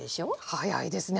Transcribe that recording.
早いですね。